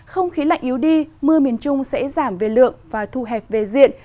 không khí lạnh yếu đi mưa miền trung sẽ giảm về lượng và thu hẹp về diện